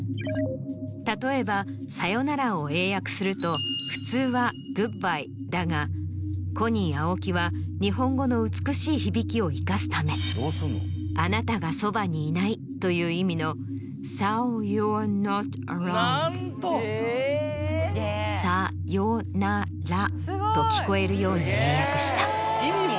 例えば「さよなら」を英訳すると普通は「Ｇｏｏｄｂｙｅ」だがＫｏｎｎｉｅＡｏｋｉは日本語の美しい響きを生かすため「あなたが側にいない」という意味の。と聞こえるように英訳した。